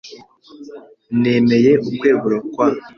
Nemeye ukwegura kwa .